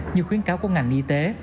như khuyến cáo của ngành y tế